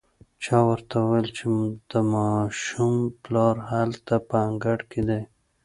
چا ورته وويل چې د ماشوم پلار هلته په انګړ کې دی.